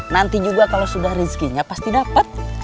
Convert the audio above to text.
nanti juga kalo sudah rizkinya pasti dapet